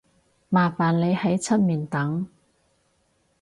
麻煩你喺出面等